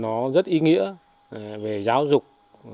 tôi thấy là nó rất ý nghĩa về giáo dục